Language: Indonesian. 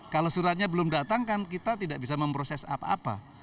kalau suratnya belum datang kan kita tidak bisa memproses apa apa